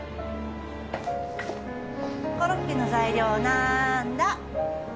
コロッケの材料なーんだ？